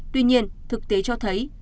tuy nhiên thực tế cho thấy